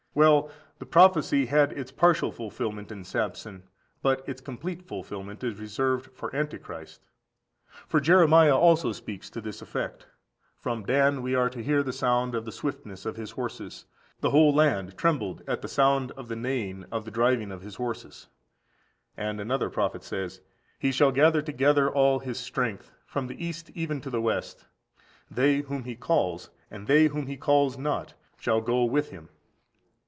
Well, the prophecy had its partial fulfilment in Samson, but its complete fulfilment is reserved for Antichrist. For Jeremiah also speaks to this effect: "From Dan we are to hear the sound of the swiftness of his horses: the whole land trembled at the sound of the neighing, of the driving of his horses."14351435 Jer. viii. 16. And another prophet says: "He shall gather together all his strength, from the east even to the west. They whom he calls, and they whom he calls not, shall go with him.